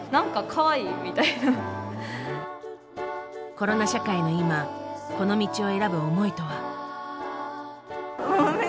コロナ社会の今この道を選ぶ思いとは。